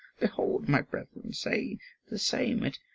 Behold, my brethren, say the same!